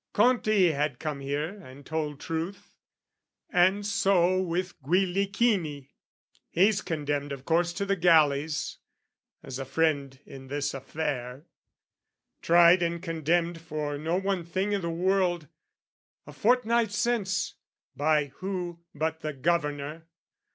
Conti had come here and told truth. And so With Guillichini; he's condemned of course To the galleys, as a friend in this affair, Tried and condemned for no one thing i' the world, A fortnight since by who but the Governor?